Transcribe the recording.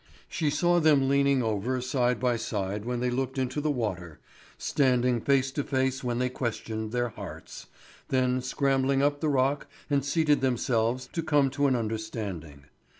She saw them leaning over side by side when they looked into the water, standing face to face when they questioned their hearts, then scrambled up the rock and seated themselves to come to an understanding.